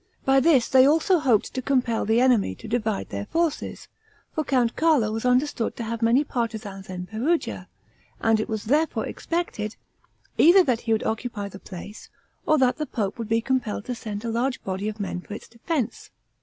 By this they also hoped to compel the enemy to divide their forces; for Count Carlo was understood to have many partisans in Perugia, and it was therefore expected, either that he would occupy the place, or that the pope would be compelled to send a large body of men for its defense.